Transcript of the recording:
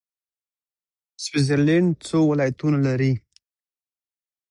ځینې هېوادونه پوټاشیم برومیټ کاروي.